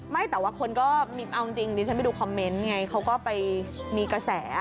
ไม่แต่ว่าคนก็เอาจริงดิฉันไปดูคอมเมนต์ไงเขาก็ไปมีกระแส